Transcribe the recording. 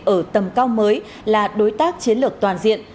ở tầm cao mới là đối tác chiến lược toàn diện